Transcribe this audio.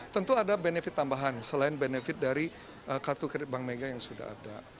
tentu ada benefit tambahan selain benefit dari kartu kredit bank mega yang sudah ada